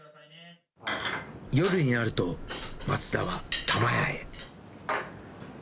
夜になると、松田は玉やへ。